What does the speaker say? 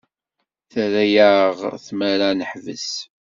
Terra-aɣ tmara ad neḥbes.